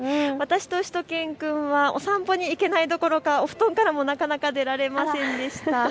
私としゅと犬くんはお散歩に行けないどころかお布団からもなかなか出られませんでした。